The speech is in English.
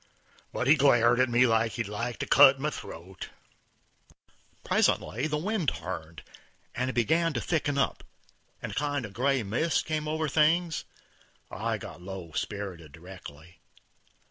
But he glared at me like he'd like to cut my throat. Presently the wind turned; it begun to thicken up, and a kind of gray mist came over things; I got low spirited directly.